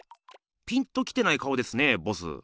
ピンときてない顔ですねボス。